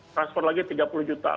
transfer lagi tiga puluh juta